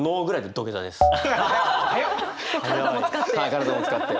体も使って？